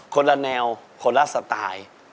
คนละแนวคนละสไตล์